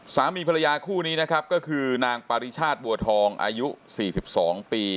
สามีภรรยาคู่นี้นะครับก็คือนางปริชาติบัวทองอายุ๔๒ปี